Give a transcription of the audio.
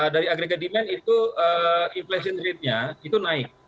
dari aggregate demand itu inflation rate nya itu naik